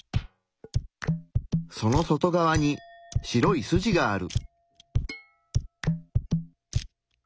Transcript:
その外側に白い筋がある。